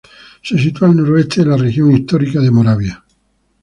Se sitúa al noroeste de la región histórica de Moravia.